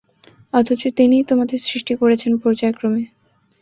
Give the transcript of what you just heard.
অথচ তিনিই তোমাদের সৃষ্টি করেছেন পর্যায়ক্রমে।